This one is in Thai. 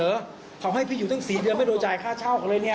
ขอให้พี่อยู่ตั้ง๔เดือนไม่โดนจ่ายค่าเช่าเขาเลยเนี่ย